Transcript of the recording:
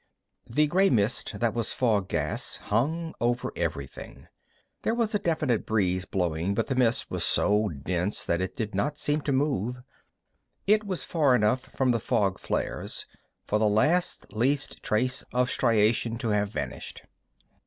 The gray mist that was fog gas hung over everything. There was a definite breeze blowing, but the mist was so dense that it did not seem to move. It was far enough from the fog flares for the last least trace of striation to have vanished.